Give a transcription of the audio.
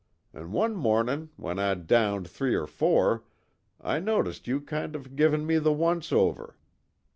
An' one mornin' when I'd downed three or four, I noticed you kind of givin' me the once over.